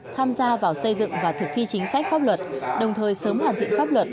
tham gia vào xây dựng và thực thi chính sách pháp luật đồng thời sớm hoàn thiện pháp luật